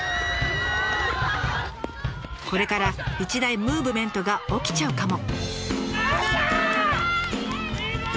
これから一大ムーブメントが起きちゃうかも。